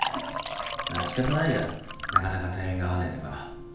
仕方ないじゃんなかなかタイミング合わないんだから。